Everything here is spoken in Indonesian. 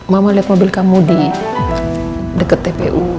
mama liat mobil kamu di deket tpu